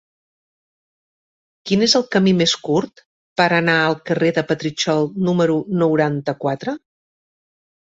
Quin és el camí més curt per anar al carrer de Petritxol número noranta-quatre?